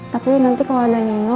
tapi nanti kalau ada nino